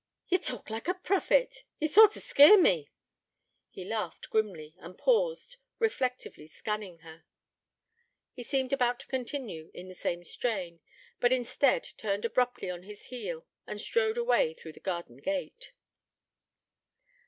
'Ye talk like a prophet. Ye sort o' skeer me.' He laughed grimly, and paused, reflectively scanning her face. He seemed about to continue in the same strain; but, instead, turned abruptly on his heel, and strode away through the garden gate.